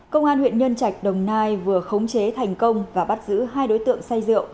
công an huyện nhân trạch đồng nai vừa khống chế thành công và bắt giữ hai đối tượng say rượu